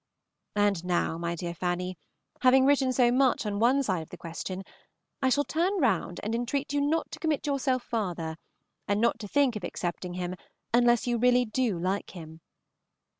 And now, my dear Fanny, having written so much on one side of the question, I shall turn round and entreat you not to commit yourself farther, and not to think of accepting him unless you really do like him.